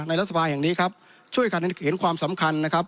รัฐสภาแห่งนี้ครับช่วยกันเห็นความสำคัญนะครับ